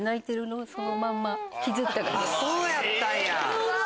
そうやったんや！